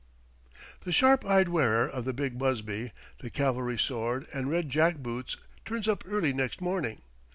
The sharp eyed wearer of the big busby, the cavalry sword, and red jack boots turns up early next morning.